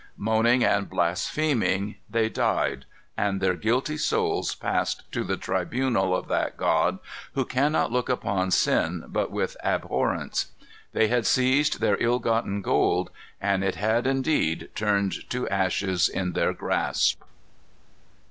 Moaning and blaspheming they died, and their guilty souls passed to the tribunal of that God who cannot look upon sin but with abhorrence. They had seized their ill gotten gold, and it had indeed turned to ashes in their grasp.